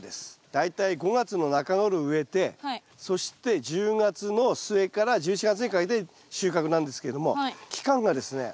大体５月の中ごろ植えてそして１０月の末から１１月にかけて収穫なんですけれども期間がですね